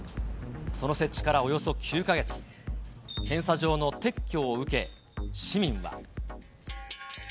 その設置からおよそ９か月、検査場の撤去を受け、市民は。